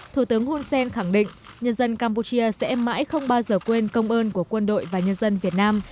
thủ tướng hun sen khẳng định nhân dân campuchia sẽ mãi không bao giờ quên công ơn của quân đội và nhân dân việt nam